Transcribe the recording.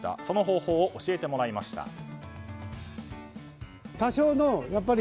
その方法を教えてもらいました。